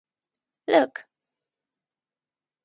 Look.